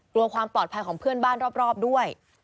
กลัวความปลอดภัยของเพื่อนบ้านรอบด้วย